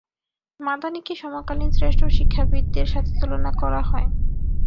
মাদানিকে সমকালীন শ্রেষ্ঠ শিক্ষাবিদদের সাথে তুলনা করা হয়।